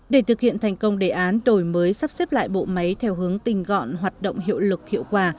để thực hiện thành công đề án đổi mới sắp xếp lại bộ máy theo hướng tình gọn hoạt động hiệu lực hiệu quả